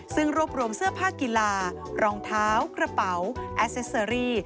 ซึ่งรวบรวมเสื้อผ้ากีฬารองเท้ากระเป๋าแอสเซสเตอรี่